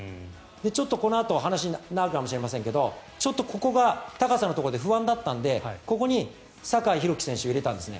このあと話になるかもしれませんがちょっと、ここが高さのところで不安だったのでここに酒井宏樹選手を入れたんですね。